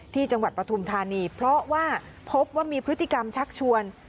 ที่จังหวัดปฐุมธานีเพราะว่าพบว่ามีพฤติกรรมชักชวน